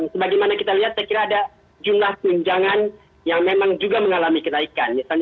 sebagaimana kita lihat saya kira ada jumlah tunjangan yang memang juga mengalami kenaikan